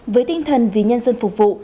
với tinh thần vì nhân dân phục vụ